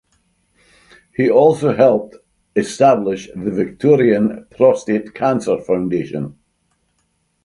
He also helped establish the Victorian Prostate Cancer Foundation.